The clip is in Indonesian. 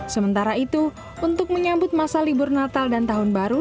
sementara itu untuk menyambut masa libur natal dan tahun baru